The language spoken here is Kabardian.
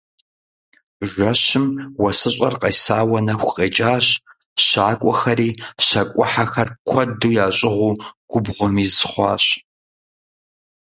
Жэщым уэсыщӀэр къесауэ нэху къекӀащ, щакӀуэхэри, щакӀухьэхэр куэду ящӀыгъуу, губгъуэм из хъуащ.